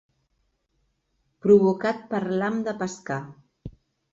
Provocat per l'ham de pescar.